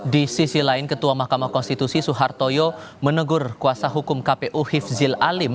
di sisi lain ketua mahkamah konstitusi suhartoyo menegur kuasa hukum kpu hifzil alim